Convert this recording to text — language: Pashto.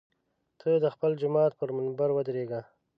ته د خپل جومات پر منبر ودرېږه.